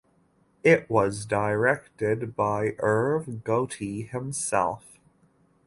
It was directed by Irv Gotti himself.